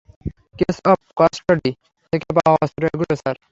Case of custody থেকে পাওয়া অস্ত্র এগুলো, স্যার।